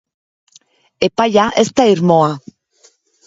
Epaia ez da irmoa.